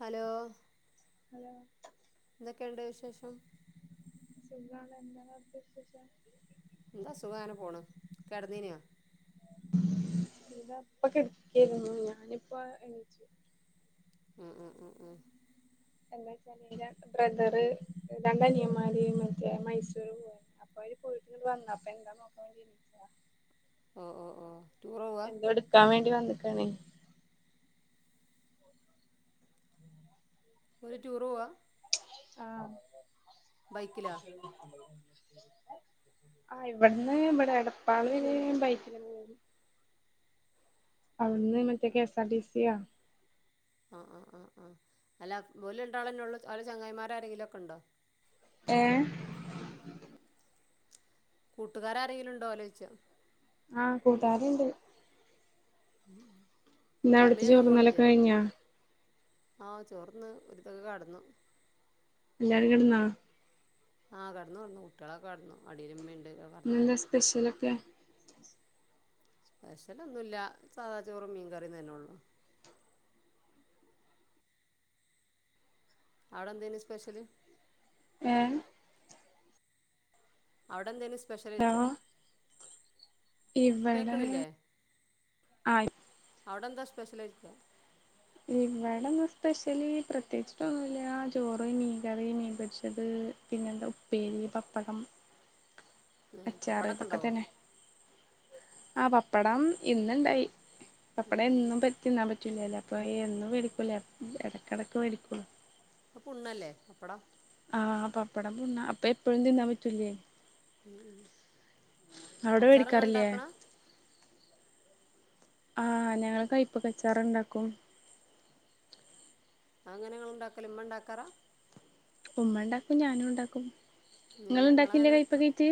Hello [inaudible] എന്തൊക്കെണ്ട് വിശേഷം സുഖാണ് എന്താണ് അവിടത്തെ വിശേഷം എന്താ സുഖാ അങ്ങനെ പോണ് കെടന്നീനോ ഇല്ല ഇപ്പൊ കിടക്കായിരുന്നു ഞാനിപ്പ എണീച്ചു ഉം ഉം ഉം ഉം എന്താ വകീലേ ബ്രദറ് രണ്ട് അനിയന്മാര് മറ്റേ മൈസൂർ പോവാ അപ്പൊ അവര് പോയിട്ട് വന്ന അപ്പൊ എന്താ നോ [inaudible] ഓ ഓ ഓ ടൂറ് പോവാ എന്തോ എടുക്കാൻ വേണ്ടി വന്ന്ക്കാണേ ഓല് ടൂറോവാ ആഹ് ബൈക്കിലോ ആഹ് ഇവിടന്ന് ഇവിടെ എടപ്പാള് വരെ ബൈക്കിലെന്നെ അവിട്ന്ന് മറ്റേ കെ എസ് ആർ ടി സിയാ ആഹ് ആഹ് ആഹ് ആഹ് അല്ല ഓല് രണ്ടാളെന്നെള്ളൂ ഓലെ ചങ്ങായിമാർ ആരെങ്കിലൊക്കെണ്ടോ ഏഹ് കൂട്ടുകാരാരെങ്കിലും ഉണ്ടോ ഓലെ ചോയ്ച്ച ആഹ് കൂട്ടാരുണ്ട് ഉം ന്താ അവിടുത്തെ ചോറ്ന്നലൊക്കെ കഴിഞ്ഞാ? ആഹ് ചോർന്ന് ഒര് തക്കെ കടന്നു എല്ലാരും കെടന്നാ ആഹ് കെടന്നു കെടന്നു കുട്ടിയോളൊക്കെ കെടന്നു അടീല് ഇമ്മീണ്ട്. ഇന്നെന്താ സ്പെഷ്യലൊക്കെ സ്പെഷ്യലൊന്നൂല്ല സാധാചോറും മീൻ കറീം തന്നെള്ളൂ അവിടെന്തേനി സ്പെഷ്യല് ഏഹ് അവിടെന്തേലും സ്പെഷ്യല് വെച്ചോ ഹലോ ഇവിടെ കേക്കണില്ലേ ആ അവിടെന്താ സ്പെഷ്യല് ചോയിക്ക ഇവിടെന്ന് സ്പെഷ്യല് പ്രത്യേകിച്ചിട്ടൊന്നുല്ല ചോറ് മീൻകറി മീൻ പൊരിച്ചത് പിന്നെന്താ ഉപ്പേരി പപ്പടം അച്ചാറ് പപ്പടൊക്കെ ഇതൊക്കെ ഉണ്ടാവോ തന്നെ ആഹ് പപ്പടം ഇന്നൂണ്ടായി ഉം പപ്പടം ഉം എന്നും പറ്റു തിന്നാൻ പറ്റൂലല്ലോ അപ്പോൾ എന്നും വേടിക്കൂല എടക്കെടക്ക് വേടിക്കുള്ളൂ. അത് പുണ്ണല്ലേ പപ്പടം ആഹ് പപ്പടം പുണ്ണാ അപ്പൊ എപ്പഴും തിന്നാൻ പറ്റൂല്ലേ ഉം അവിടെ അച്ചാറിങ്ങള് വേടിക്കാറില്ലേ ഒണ്ടാക്കണെ ആഹ് ഞങ്ങൾ കൈപ്പക്കച്ചാറ് ഇണ്ടാക്കും. അതെങ്ങനെ നിങ്ങള് ഉണ്ടാക്കല് ഇമ്മ ഉണ്ടാക്കാറാ ഉമ്മ ഇണ്ടാക്കും ഞാനും ഉണ്ടാക്കും ങ്ങള്ണ്ടാക്കില്ലേ കൈപ്പക്കേറ്റ്.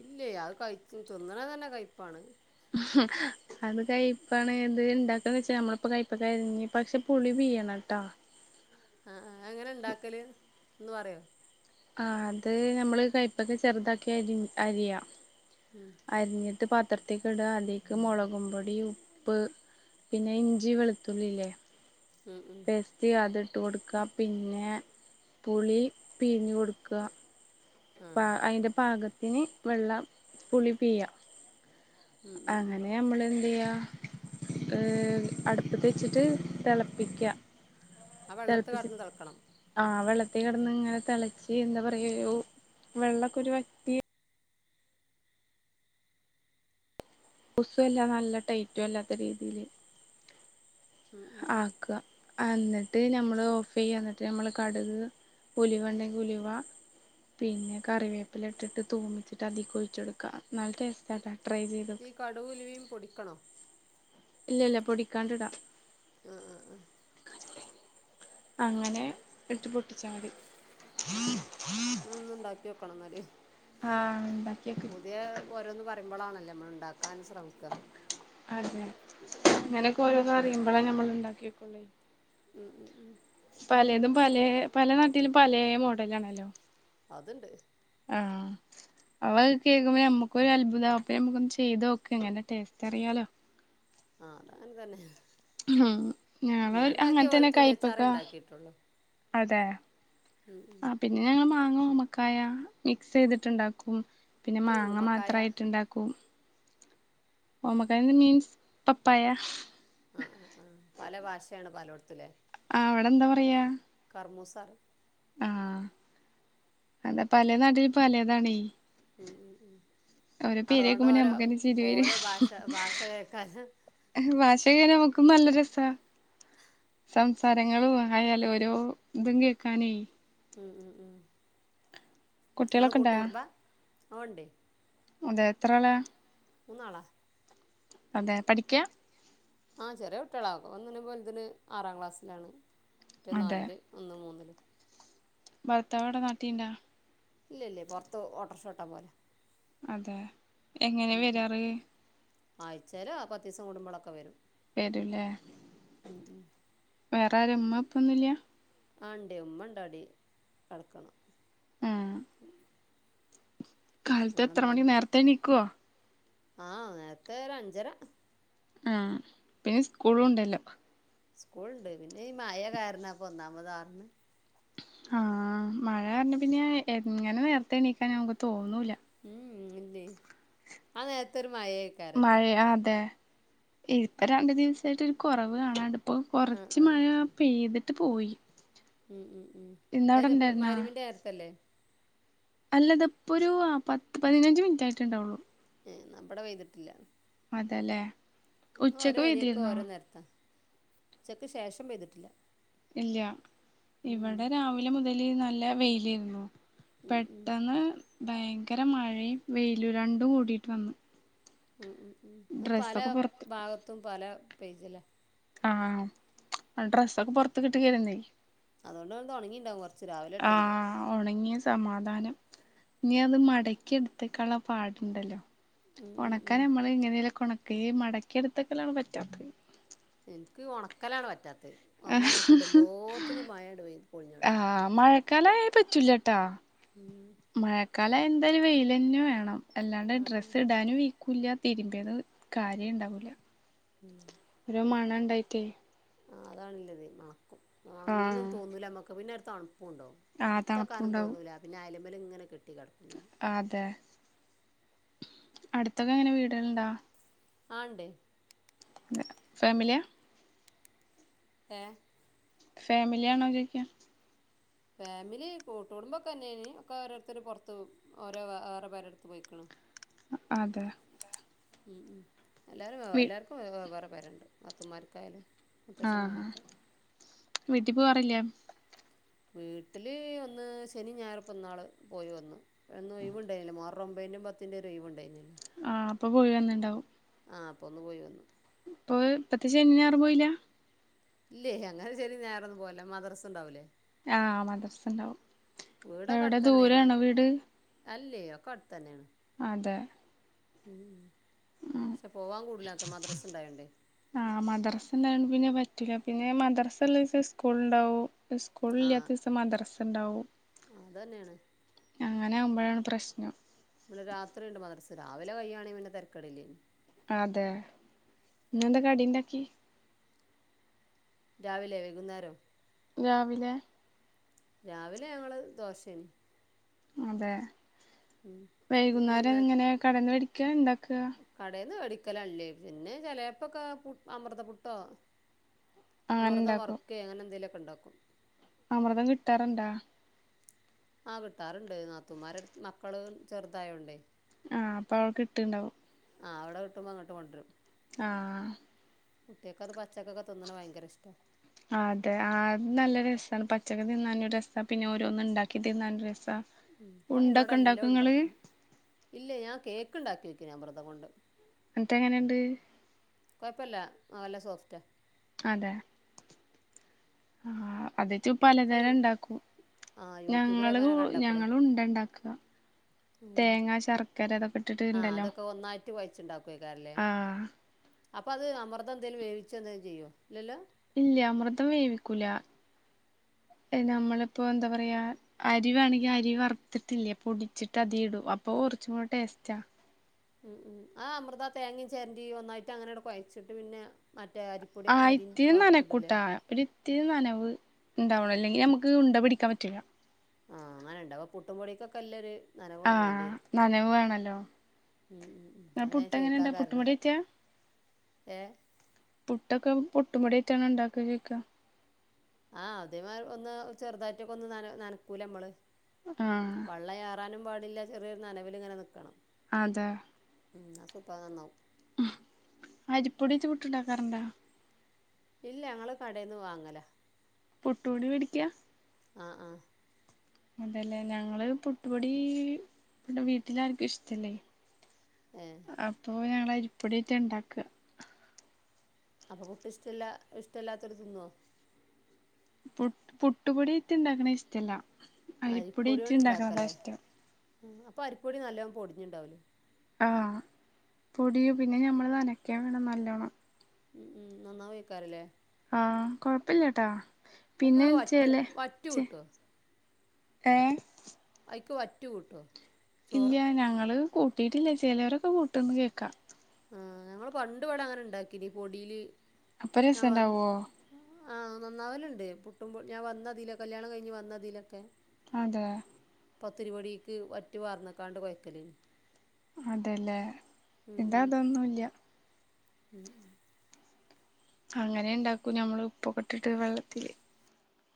ഇല്ലയ് അത് കൈച്ചും തിന്നണതന്നെ കൈപ്പാണ്. അത് കൈപ്പാണ് ഇത് ഇണ്ടാക്ക്ന്ന് വച്ചാ നമ്മളിപ്പോ കൈപ്പക്ക അരിഞ്ഞ് പക്ഷെ പുളി പീയണംട്ടോ. അ ആഹ് അതെങ്ങനെ ഇണ്ടാക്കല് ഒന്ന് പറയോ ആഹ് അത് നമ്മള് കൈപ്പക്ക ചെറുതാക്കി അരിഞ്ഞ് അരിയാ. ഉം അരിഞ്ഞിട്ട് പാത്രത്തിക്കിടാ അതിക്ക് മൊളകും പൊടിയും ഉപ്പ്. പിന്നെ ഇഞ്ചി വെളുത്തുള്ളില്ലേ ഉം ഉം പേസ്റ്റ്. ത്തി അതിട്ട് കൊടുക്കാ പിന്നെ പുളി പീഞ്ഞ് കൊടുക്കാ. ആ പ്പ അയിന്റെ പാകത്തിന് വെള്ളം പുളി പീയ്യ. ഉം ഉം ഉം അങ്ങനെ നമ്മളെന്തെയ്യ ഏഹ് അടുപ്പത്ത് വെച്ചിട്ട് തിളപ്പിക്ക. ആ വെള്ളത്ത് കടന്ന് തെളക്കണം. ആഹ് വെള്ളത്തി കിടന്ന് ഇങ്ങനെ തിളച്ച് എന്താ പറയ ഒരു വെള്ളൊക്കെ ഒരു വറ്റി. ലൂസും അല്ല നല്ല ടൈറ്റും അല്ലാത്ത രീതില് ഉം ഉം ഉം ആക്കുക എന്നിട്ട് നമ്മള് ഓഫ് ചെയ്യ എന്നിട്ട് നമ്മള് കടുക് ഉലുവ ഇണ്ടെങ്കിൽ ഉലുവ. പിന്നെ കറിവേപ്പില ഇട്ടിട്ട് തൂമിച്ചിട്ട് അതിക്ക് ഒഴിച്ചൊടുക്ക നല്ല ടേസ്റ്റ് ആണ് ട്രൈ ചെയ്തോക്. കടുവും ഉലുവേം പൊടിക്കണോ? ഇല്ല ഇല്ല പൊടിക്കാണ്ടിടാം. ആഹ് ആഹ് ആഹ് അങ്ങനെ. ഇതിട്ട് പൊട്ടിച്ചാ മതി. ഉം ഉം [unintelligible] ആഹ് ഇണ്ടാക്കി. പുതിയ ഓരോന്ന് പറയുമ്പോളാണല്ലേ നമ്മൾ ഇണ്ടാക്കാൻ ശ്രമിക്ക. അതെ ഇങ്ങനെയൊക്കെ ഓരോരോ അറിയുമ്പോളേ ഞമ്മൾ ഇണ്ടാക്കി വെക്ക. ഉം ഉം ഉം പലതും പലേ പല നാട്ടിലും പലേ മോഡലാണല്ലോ. അത്ണ്ട്. ആഹ് അവ കേൾക്കുമ്പോ ഞമ്മക്ക് ഒരു അത്ഭുതമാ അപ്പ ഞമ്മക്കൊന്ന് ചെയ്തോക്ക എങ്ങനെ ടേസ്റ്റ് അറിയാലോ? ആഹ് അത് അങ്ങനെ തന്നെ ഉം ഞാൻ ഞങ്ങള് ഇണ്ടാക്കിയെ അങ്ങനെ തന്നെ കയ്പ്പക്ക വെളുത്തുള്ളിച്ചാറേ ഇണ്ടാക്കിയിട്ടുള്ളു. അതെ. ഉം ഉം ആഹ് പിന്നെ ഞങ്ങൾ മാങ്ങ ഉമ്മക്കായ മിക്സ് ചെയ്തിട്ട്ണ്ടാക്കും പിന്നെ ഇത് മാങ്ങ ഊമക്കായ മാത്രമായിട്ട്ണ്ടാ [unintelligible] ഓമ്മക്കായ മീൻസ് പപ്പായ. ആഹ് ആഹ് ആഹ് പല ഭാഷേണ് പാലോടുത്തുലെ. ആഹ് അവിടെ എന്താ പറയാ? കറ്മ്മൂസ റിം അ ആഹ് അതാ പലേ നാട്ടില് പലതാണെ. ഉം ഉം ഉം പേര് അതുകൊണ്ട് കേക്കുമ്പോ ഓരോ നമ്മക്കന്നെ ചിരി വരും ഓരോ ഭാഷ ഭാഷ കേൾക്കാൻ. ഭാഷ കേക്കുമ്പം നമുക്കും നല്ല രസാ. സംസാരങ്ങളും ആയാലും ഓരോ ഇതും കേക്കാനെയ്. ഉം ഉം ഉം ഇങ്ങള് കുട്ടികളൊക്കെ കൂട്ട് ഇണ്ടാ കുടുബാ ഓ ണ്ടെ അതെ എത്രള? മൂന്നാളാ. അതെ പഠിക്ക. ആഹ് ചെറിയ കുട്ടിയാള ഒന്നിന് വലുതിന് ആറാം ക്ലാസ്സിലാണ് റ്റെ അതെ നാലില് ഒന്ന് മൂന്നില്. ഭർത്താവ്വിടെ നാട്ടിണ്ടാ? ഇല്ലല്ല പൊറത്ത് ഓട്ടോർഷ ഓട്ടാൻ പോയത. അതെ എങ്ങനെ വരാറ്? ആഴ്ച്ചേലോ പത്തിസം കുടുമ്പോളൊക്കെ വരും. വരും ലെ. ഉം ഉം വേറെ ആര ഉമ്മ ഉപ്പൊന്നുല്ല. ആഹ് ണ്ടയ് ഉമ്മണ്ടവിടെ കടക്ക്ണ്. ഏഹ് കാലത്ത് എത്ര മണി നേരത്തെ എണീക്കുവോ? ആഹ് നേരത്തെ ഒരു അഞ്ചര. ആ പിന്നെ സ്കൂളും ഇണ്ടല്ലോ സ്കൂൾണ്ട് പിന്നെ ഈ മയ കാരണംപ്പ ഒന്നാമത് ആഹ് മഴ കാരണം പിന്നെ എങ്ങനെ നേരത്തെ എണീക്കാൻ നമുക്ക് തോന്നൂല ഉം ഇല്ലേ ആ നേരത്തെൊരു മഴയാ മഴയ അതെ ഇപ്പൊ രണ്ടു ദിവസായിട്ട് ഒരു കൊറവ് കാണാണ്ട് ഇപ്പോ ആ കുറച്ച് ആ മഴ പെയ്തിട്ട് പോയി ഉംഹ് ഉംഹ് ഉംഹ് അഹ് ഇന്നവിടെ ര് ഇണ്ടായിരുന്നാ മഹ് രിബിന്റെ നേരത്തല്ലേ അല്ല തിപ്പൊരു ആഹ് പത്ത് പതിനഞ്ച് മിനിറ്റ് ആയിട്ട് ഇണ്ടാവൊള്ളൂ ഏഹ് ന്നാ ബടെ പെയ്തിട്ടില്ല. അതെല്ലേ എന്നും ഓരോ ഉച്ചക്ക് ഏരിയേക്ക് പെയ്തിരുന്നോ ഓരോ നേരത്താ. ഉച്ചക്ക് ശേഷം പെയ്തിട്ടില്ല. ഇല്ല ഉം ഇവിടെ രാവിലെ മുതല് നല്ല വെയിലേയിരുന്നു ഉം ഉം പെട്ടെന്ന് ഭയങ്കര മഴയും വെയിലും രണ്ടും കൂടിയിട്ട് വന്ന്. ഉം ഉം ഉം പല പുറത്ത് ഭാഗത്തും പല പേജല്ലേ ആഹ് ഡ്രസ്സൊക്കെ പൊറത്ത് കിട്ടുകരുന്നേ അതോണ്ട്ങ്ങൾതൊണങ്ങിണ്ടാവും കൊർച്ച് ആഹ് ഒണങ്ങിയ സമാധാനം ഇനി അത് മടക്കി ഇടുത്ത്ക്കാനുള്ള പാടുണ്ടല്ലോ ഉം ഉം ഒണക്കാൻ ഉം നമ്മള് എങ്ങനെലും കൊണക്ക മടക്കിയെടുത്തെക്കലൊക്കെ പറ്റൊ ഇന്ക് ഒണക്കലാണ് പറ്റാത്തത് ഒന്ന് അങ്ങോട്ട് ഇടുമ്പോത്തിന് മായേണ്ട് പൊളിഞാടും മഴക്കാലയാ പറ്റൂല ട്ടാ ഉം മഴക്കാലയാ എന്തായാലും വെയിലന്നെ വേണം അല്ലാണ്ടെ ആഹ് ആഹ് ഡ്രസ്സ് ഇടാനും വെയ്ക്കൂല്ല തിരുമ്പേന്ന് കാരിയേ ഇണ്ടാവൂല ഉം ഒരു മണ ഇണ്ടായിട്ടേ ആഹ് താൻല്ലത് മണക്കും ഒണങ്ങിന്നും ആഹ് തോന്നൂലമ്മക്ക് പിന്നെടു തണുപ്പുണ്ടാവും ആ ഇട്ത്തെക്കാനും തണുപ്പുണ്ടാവും തോന്നൂല പിന്നെ അയ്ലുമ്മേൽ ഇങ്ങനെ കെട്ടി കെടക്കും ചെയ്യും അതെ. അടുത്തൊക്കെങ്ങനെ വീടേള്ണ്ടോ? ആഹ് ഇണ്ടെയ്. അതെ. ഫാമിലിയാ? ഏഹ് ഫേമിലിയാണോ ചോയ്ക്ക്യ ഫാമിലി കൂട്ടൂടുമ്പോക്കെന്നെണ് ഒക്കെ ഓരോര്ത്തര് പൊറത്ത് പോവും ഓരോ വേറെ പെരെട്ത്ത് പോയ്ക്ക്‌ണൊ അതെ. ഉം ഉം എല്ലാരും വീ എല്ലാർക്കും വേ വേറെ പേരണ്ട് നാത്തൂന്മാർക്കായാലും ആ ആ മുത്തച്ഛനായാലൊക്കെ വീട്ട് പോവാറില്ലേ വീട്ടില് ഒന്ന് ശനി ഞായറുപ്പം ഇന്നാള് പോയി വന്ന് അന്ന് ഒഴിവുണ്ടാരുന്നല്ലേ മുഹ ഒമ്പതിൻ്റെയും പത്തിൻ്റെയും ഒര് ഒഴിവ് ഇണ്ടായിരുന്നല്ലോ ആഹ് അപ്പൊ പോയി വന്നുണ്ടാവും ആ അപ്പൊന്നു പോയി വന്നു ഇപ്പൊ ഇപ്പത്തെ ശനിയും ഞായറും പോയില്ല ഇല്ലേ അങ്ങനെ ഒര് ശനിയും ഞായറും ഒന്നും പോവില്ല മദ്രസ് ഇണ്ടാവൂലേ ആഹ് മദ്രസണ്ടാവും വീടൊക്കെ എവിടെ അടുത്ത് തന്നെയാണ് ദൂരേയാണോ വീട് അല്ലേ ഒക്കെ അടുത്ത് തന്നെയാണ് അതെ ക്ഷെ പോവാൻ കൂടുലാത്ര മദ്രസ ഇണ്ടായോണ്ടേ ആഹ് മദ്രസ് ഇണ്ടായോണ്ട് പിന്നെ പറ്റില്ല പിന്നെ മദ്രസ ഉള്ള ദിവസം സ്കൂൾ ഉണ്ടാവു സ്കൂളില്ലാത്ത ദീസം മദ്രസ് ഇണ്ടാവും ആ ഹ് അത് തന്നെയാണ് അങ്ങനെ ആകുമ്പോഴാണ് പ്രശ്നം ഇവിടെ രാത്രിണ്ട് മദ്രസ് രാവിലെ കയ്യയാണെങ്കി പിന്നെ തെരക്കടില്ലേ അതെ നിന്നെന്താ കടി ഉണ്ടാക്കി രാവിലെ വൈകുന്നേരം രാവിലെ രാവിലെ ഞങ്ങള് ദോശേന് അതെ ഉം വൈകുന്നേരം പിന്നെന്നാൽ ഇങ്ങനെ കടന്ന് പേടിക്ക ഇണ്ടാക്ക കടേന്ന് വേടിക്കലല്ലേ പിന്നെ ചെലപ്പൊക്കെ അമൃതപുട്ടോ അങ്ങനെ അമൃതം ഇണ്ടാക്കും വർക്കെ അങ്ങനെ എന്തെങ്കലൊക്കെ ഇണ്ടാക്കും അമൃതം കിട്ടാറുണ്ടാ? ആഹ് കിട്ടാറുണ്ട് നാത്തൂമാരെ മക്കള് ചെറുതായോണ്ടേ ആഹ് അപ്പൊ അവ കിട്ടുണ്ടാവും ആഹ് അവിടെ കിട്ടുമ്പോ ങ്ങട്ട് കൊണ്ടരും ആഹ് കുട്ടിൾക്ക് അത് പച്ചക്കൊക്കെ തന്ന്ണ ഭയങ്കര ഇഷ്ട ആഹ് അതെ അത് നല്ല രസമാണ് പച്ചക്ക തിന്നൻ രസമാണ് പിന്നെ ഓരോന്ന് ഇണ്ടാക്കി തിന്നനും രസമാണ് ഇപ്പം അയിനോട് എല്ലാം ഉണ്ടാക്കും ഇല്ല ഞാൻ കേക്ക് ഉണ്ടാക്കി നോക്കീനി അമ്യതം കൊണ്ട് ന്നിട്ട് എങ്ങനെണ്ട് കൊഴപ്പല്ല നല്ല സോഫ്റ്റാണ് അതെ ആഹ് അതെച്ചുപ് ഒക്കെ യു പലതരണ്ടാക്കും ആ ഞങ്ങള് യൂട്യൂബിലൊക്കെ അങ്ങനെ കണ്ടപ്പളേ ഞങ്ങള് ഉണ്ട ണ്ടാക്ക ഉം തേങ്ങ ശർക്കര ആ അത്ക്കെട്ടിട്ടുണ്ടല്ലോ അതൊക്കെ ഒന്നായിട്ട് ആഹ് അപ്പോൾ അത് അമൃതം എന്തെലും വേവി ച്ച് എന്തെലും ചെയ്യോ ഇല്ലല്ലോ ഇല്ല അമൃതം വേവിക്കൂല എഹ് നമ്മളിപ്പോ എന്താ പറയാ അരി വേണെങ്കി അരി വറ്ത്തിറ്റില്ലേ പൊടിച്ചിട്ട് അതി ഇടും അപ്പൊറുച്ചുടെ ടേസ്റ്റാ ഉം ഉം ആ അമൃത തേങ്ങേ ചെരണ്ടി ഒന്നായിട്ട് അങ്ങനെയൊട കൊയച്ചിട്ട് പിന്നെ മറ്റേ അരി അരിപ്പൊടി അഹ് ആയിറ്റിയെ നനക്കൂട്ട വറുത്തിടൂല്ലേ ഒരിത്തിരി നനവ്ണ്ടാവണം അല്ലെങ്കി നമക്ക് ഉണ്ട പിടിക്കാൻ പറ്റില്ല ആഹ്ങ്ങന്ണ്ടാവ പുട്ടും പൊടിക്കൊക്കെല്ലര് ആഹ് നനവ് വേണല്ലോ ഉം ഉം ഉം ഇങ്ങളെ അത ഞൻ പുട്ട് ചോയ്ക്കാ എങ്ങനെണ്ടാ പുട്ടും കാർണം പൊടിയാറ്റാ ഏഹ് പുട്ടക്കെ പൊട്ടുപൊടിറ്റാണ് ണ്ടാക്കല്ക്കെ ആഹ് അതേമാ ഒന്ന് ചെറുതായിട്ടൊക്കെ ഒന്ന് നനക്കൂല നമ്മള് ആഹ് വള്ളയറാനും പാടില്ല ചെറിയൊരു നനവിലിങ്ങനെ നിക്കണം അതെ ഉം അസൂപ്പ നന്നോ അരിപ്പൊടിച്ച് പുട്ട്ണ്ടാക്കാറുണ്ടോ ഇല്ലങ്ങള് കടെന്ന് വാങ്ങല പുട്ട് പൊടി മെടിക്ക ആഹ് ആഹ് അതെല്ലേ ഞങ്ങള് പുട്ടുപൊടി വീട്ടിലർക്കു ഇഷ്ടല്ലേ ഏഹ് അപ്പോ ഞങ്ങൾ അരിപ്പൊടിറ്റണ്ടാക്ക അപ്പൊ പുട്ടിഷ്ട്ല്ല ഇഷ്ടല്ലാത്തൊരു തിന്വൊ പുട് പുട്ടുപൊടി ഇറ്റിണ്ടാക്കണ ഇഷ്ടല്ല അരിപ്പൊടി അരിപ്പൊടിയായിട്ട് ഉണ്ടാക്കണതാ കൊണ്ട്ണ്ടാക്കല്ലേ ഇഷ്ടം ആഹ് അപ്പോ അരിപ്പൊടി നല്ലോം പൊടിഞ്ണ്ടാവ്ല്ലെ ആഹ് പൊടിം പിന്നെ ഞമ്മൾ നനക്യേം വേണം നല്ലോണം ഉം ഉം നന്നാവെയ്ക്കാരല്ലേ ആഹ് കൊഴപ്പില്ലട്ടാ അതിക്ക് നിങ്ങൾ വറ്റ് പിന്നെച്ചേല്ലേ വറ്റ് ചെ കൂട്ടുമോ ട്ടെ ഐക്ക് വറ്റ് കൂട്വൊ ഇല്ല്യ ഞങ്ങള് കൂട്ടിട്ടില്ല ചെലരൊക്ക കൂട്ടൂന്ന് കേക്കാ ആഹ് ഞങ്ങള് പണ്ട്വിട അങ്ങനെ ഇണ്ടാക്കീന് പൊടില് അപ്പൊ ആഹ് വ രസണ്ടാവോ ആഹ് നന്നാവലുണ്ട് പുട്ടുമ്പോ ഞാൻ വന്നതില കല്യാണം കഴിഞ്ഞ് വന്നതിലക്കെ അതെ പത്തിരിപൊടീക്ക് വറ്റ്പാർന്നക്കാണ്ട് കൊയക്കല് അതെല്ലേ ഇതതൊന്നുല്യ ഉം ഉം അങ്ങനെണ്ടാക്കൂ ഞമ്മള് ഉപ്പൊക്കെട്ടിട്ട് വെള്ളത്തില്